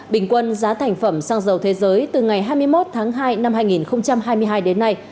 bình quân giá thành phẩm xăng dầu thế giới từ ngày hai mươi một tháng hai năm hai nghìn hai mươi hai đến nay